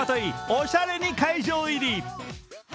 おしゃれに会場入り。